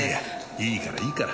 いいからいいから。